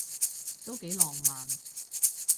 都幾浪漫